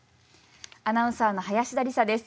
アナウンサーの林田理沙です。